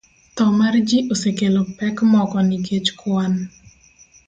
Tho mar ji osekelo pek moko nikech kwan